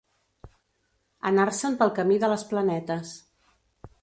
Anar-se'n pel camí de les Planetes.